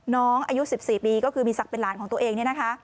น้องอายุ๑๔ปีก็คือมีศักดิ์เป็นหลานของตัวเองเนี่ยนะคะ